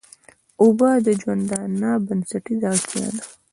اوبه د ژوندانه بنسټيزه اړتيا ده.